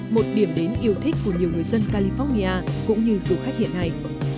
một điểm đến yêu thích của nhiều người dân california cũng như du khách hiện nay